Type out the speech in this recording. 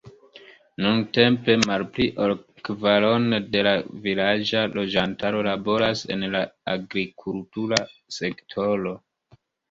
Nuntempe malpli ol kvarono de la vilaĝa loĝantaro laboras en la agrikultura sektoro.